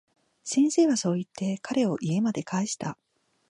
先生はそう言って、彼を家まで帰した。